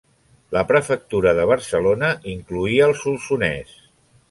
La prefectura de Barcelona incloïa el Solsonès.